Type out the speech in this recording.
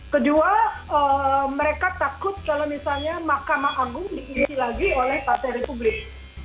kedua mereka takut kalau misalnya mahkamah agung diisi lagi oleh partai republik